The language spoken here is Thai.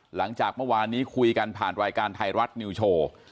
หลังจากเมื่อวานนี้คุยกันผ่านรายการไทยรัฐนิวโชว์